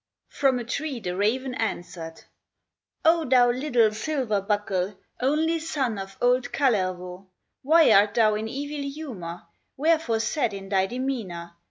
From a tree the raven answered: "O thou little silver buckle, Only son of old Kalervo, Why art thou in evil humor, Wherefore sad in thy demeanor?